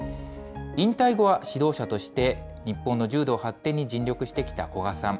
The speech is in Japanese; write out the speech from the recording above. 引退後は指導者として、日本の柔道発展に尽力してきた古賀さん。